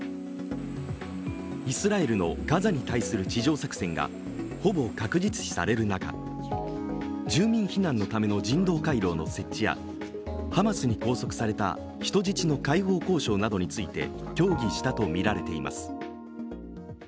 イスラエルのガザに対する地上作戦がほぼ確実視される中、住民避難のための人道回廊の設置やハマスに拘束された人質の解放交渉などについて協議したとみられています。